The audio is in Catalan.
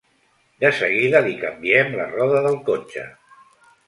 De seguida li canviem la roda del cotxe.